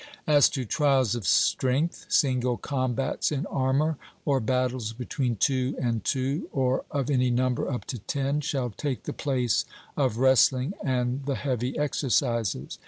As to trials of strength, single combats in armour, or battles between two and two, or of any number up to ten, shall take the place of wrestling and the heavy exercises.